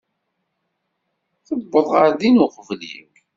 Tuweḍ ɣer din uqbel-iw.